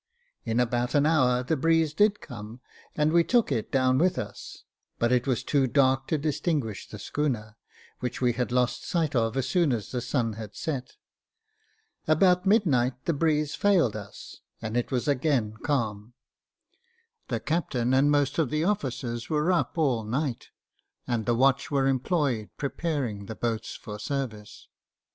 In about an hour the breeze did come, and we took it down with us 5 but it was too dark to distinguish the schooner, which we had lost sight of as soon as the sun had set. About midnight the breeze failed us, and it was again calm. The captain and most of the officers were up all night, and the watch were employed preparing the boats for service.